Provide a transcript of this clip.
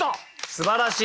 すばらしい！